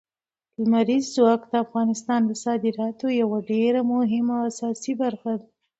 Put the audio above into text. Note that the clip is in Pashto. لمریز ځواک د افغانستان د صادراتو یوه ډېره مهمه او اساسي برخه ده.